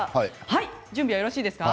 準備はよろしいですか？